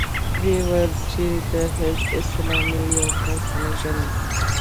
ويې ويل چې د حزب اسلامي د يوه کس وژل.